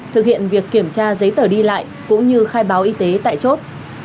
thực hiện việc kiểm tra giấy tờ đi lại cũng như khai báo y tế tại chốt